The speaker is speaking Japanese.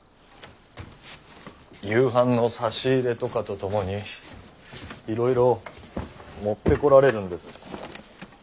夕飯の差し入れとかと共にいろいろ持ってこられるんです。